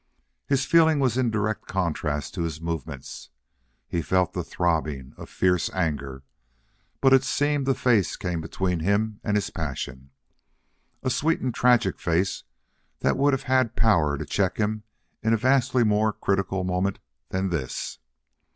His feeling was in direct contrast to his movements. He felt the throbbing of fierce anger. But it seemed a face came between him and his passion a sweet and tragic face that would have had power to check him in a vastly more critical moment than this.